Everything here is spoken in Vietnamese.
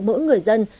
mỗi người dân